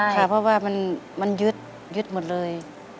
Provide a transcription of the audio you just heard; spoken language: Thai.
ค่ะเพราะว่ามันยึดยึดหมดเลย